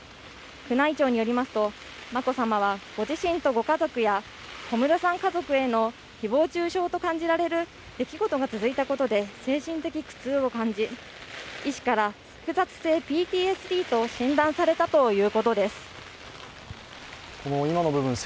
宮内庁によりますと、眞子さまはご自身とご家族や小室さん家族への誹謗中傷と感じられる出来事が続いたことで精神的負担を感じ医師から複雑性ＰＴＳＤと診断されたということです。